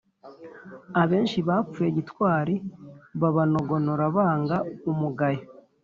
abenshi bapfuye gitwari babanogonora banga umugayo.